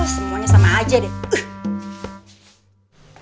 semuanya sama aja deh